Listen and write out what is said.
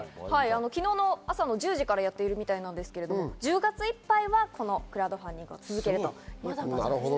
昨日の朝の１０時からやってるみたいですけど１０月いっぱいはこのクラウドファンディングを続けるということです。